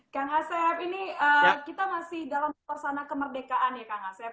kang asep ini kita masih dalam suasana kemerdekaan ya kang asep